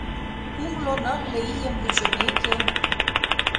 Кумло-нылле ийым вучымеке